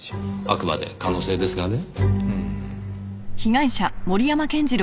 あくまで可能性ですがね。